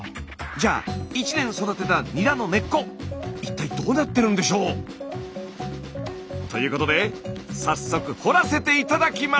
じゃあ１年育てたニラの根っこ一体どうなってるんでしょう？ということで早速掘らせて頂きます！